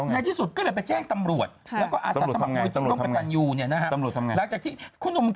ในที่สุดก็เลยไปแจ้งตำรวจแล้วก็อาศัยสมัครกรุงประกันอยู่